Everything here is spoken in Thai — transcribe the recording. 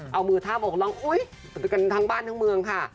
เอามือท่าบอกหลงอุ้ยทั้งบ้านทั้งเมืองค่ะ